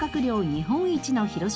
日本一の広島県。